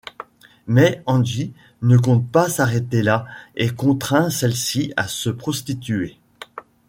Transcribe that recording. Mais Han-gi ne compte pas s'arrêter là et contraint celle-ci à se prostituer...